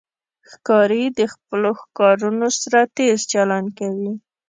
ښکاري د خپلو ښکارونو سره تیز چلند کوي.